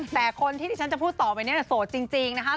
แต่คนที่ที่ฉันจะพูดต่อไปเนี่ยโสดจริงนะคะ